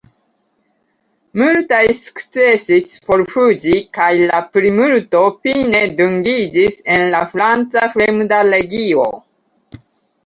Multaj sukcesis forfuĝi kaj la plimulto fine dungiĝis en la franca fremda legio.